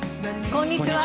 こんにちは。